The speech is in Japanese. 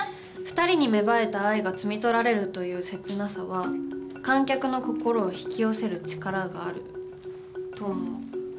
２人に芽生えた愛が摘み取られるという切なさは観客の心を引き寄せる力があると思う。